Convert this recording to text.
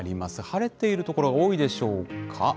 晴れている所、多いでしょうか。